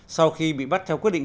sau khi bị bắt theo quyết định